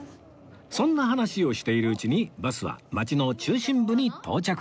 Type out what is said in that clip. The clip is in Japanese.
そんな話をしているうちにバスは街の中心部に到着です